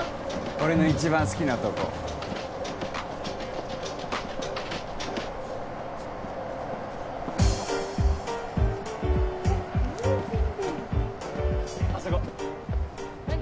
俺の一番好きなとこあそこ何？